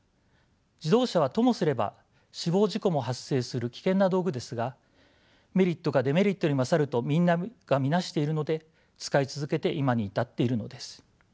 自動車はともすれば死亡事故も発生する危険な道具ですがメリットがデメリットに勝るとみんなが見なしているので使い続けて今に至っているのです。